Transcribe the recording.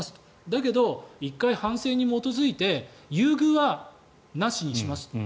だけど、１回反省に基づいて優遇はなしにしますと。